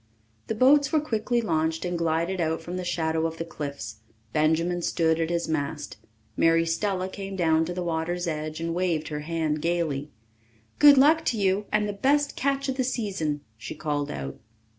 The boats were quickly launched and glided out from the shadow of the cliffs. Benjamin stood at his mast. Mary Stella came down to the water's edge and waved her hand gaily. "Good luck to you and the best catch of the season," she called out.